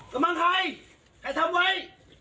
กำลังใครใครทำไว้